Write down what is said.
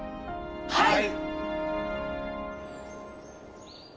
はい！